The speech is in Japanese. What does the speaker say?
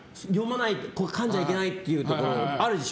かんじゃいけないというところあるでしょ。